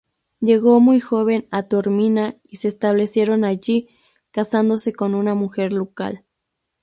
Llegó muy joven a Taormina, y se establecieron allí, casándose con una mujer local.